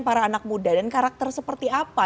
para anak muda dan karakter seperti apa